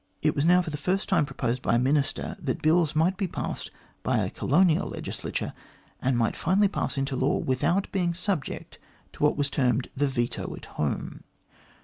It was now for the first time proposed by a Minister that Bills might be passed by a Colonial Legislature, and might finally pass into law without being subject to what was termed the veto at home.